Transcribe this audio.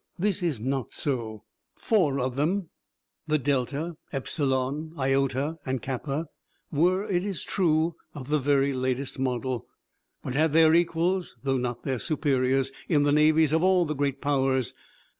This is not so. Four of them, the Delta, Epsilon, Iota, and Kappa, were, it is true, of the very latest model, but had their equals (though not their superiors) in the navies of all the great Powers.